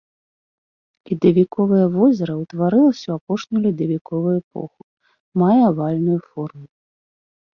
Ледавіковае возера, утварылася ў апошнюю ледавіковую эпоху, мае авальную форму.